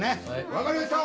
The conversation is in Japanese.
分かりました！